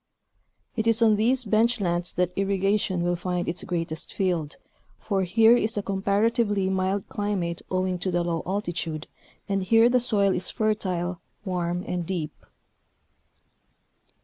It is on these bench lands that irrigation will find its greatest field, for here is a comparatively mild climate owing to the low altitude, and here the soil is fertile, warm and deep.